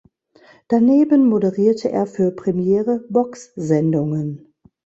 Daneben moderierte er für Premiere Box-Sendungen.